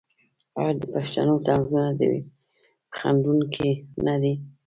آیا د پښتنو طنزونه ډیر خندونکي نه دي؟